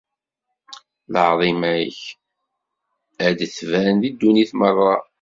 Lɛaḍima-k ad d-tban di ddunit merra.